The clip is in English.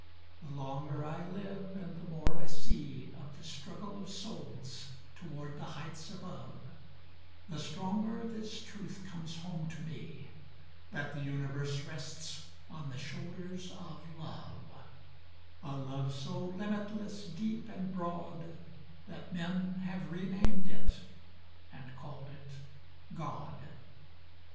The longer I live and the more I see Of the struggle of souls toward the heights above, The stronger this truth comes home to me: That the Universe rests on the shoulders of love; A love so limitless, deep, and broad, That men have renamed it and called it God.